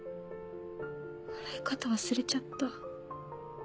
笑い方忘れちゃった。